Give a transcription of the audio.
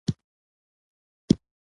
د ماشوم د ژبې تمرين هره ورځ وکړئ.